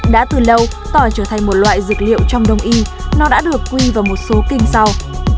đã từ lâu tỏi trở thành một loại dược liệu trong đông y nó đã được quy vào một số kinh sau